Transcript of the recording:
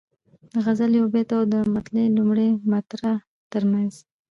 د غزل یو بیت او د مطلع لومړۍ مصرع ترمنځ.